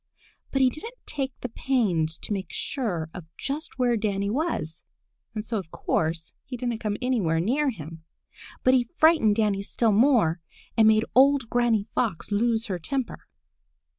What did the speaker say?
But he didn't take the pains to make sure of just where Danny was, and so of course he didn't come anywhere near him. But he frightened Danny still more and made old Granny Fox lose her temper.